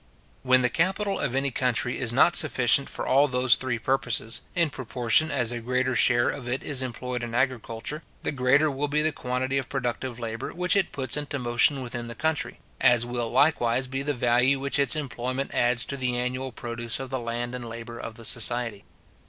When the capital of any country is not sufficient for all those three purposes, in proportion as a greater share of it is employed in agriculture, the greater will be the quantity of productive labour which it puts into motion within the country; as will likewise be the value which its employment adds to the annual produce of the land and labour of the society.